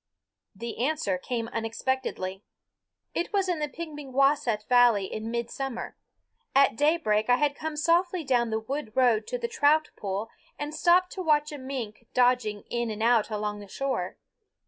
The answer came unexpectedly. It was in the Pemigewasset valley in midsummer. At daybreak I had come softly down the wood road to the trout pool and stopped to watch a mink dodging in and out along the shore.